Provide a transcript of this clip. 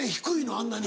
あんなに。